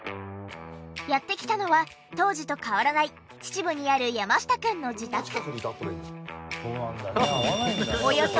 やって来たのは当時と変わらない秩父にある山下くんの自宅。